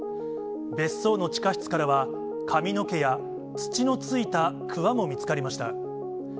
別荘の地下室からは、髪の毛や、土のついたくわも見つかりました。